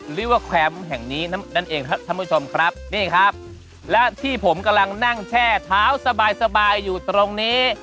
หรือว่าแคมป์แห่งนี้นั่นเองครับท่านผู้ชมครับนี่ครับและที่ผมกำลังนั่งแช่เท้าสบายสบายอยู่ตรงนี้